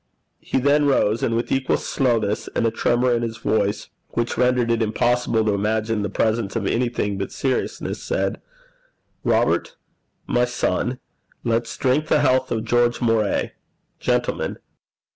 He then rose, and with equal slowness, and a tremor in his voice which rendered it impossible to imagine the presence of anything but seriousness, said, 'Robert, my son, let's drink the health of George Moray, Gentleman.